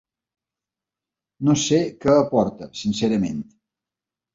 No sé què aporta, sincerament.